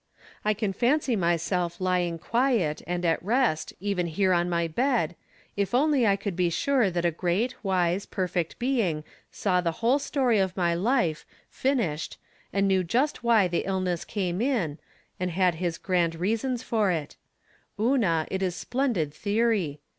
I can fancy myseK lying quiet, and at rest, even here on my bed, if only I coxild be sure that a great, wise, perfect Being saw the whole story of my life, finished, and knew just why the iLLness came ia, and had his grand rea From Different Standpoints. 11 sons for it. Una, it is splendid theory.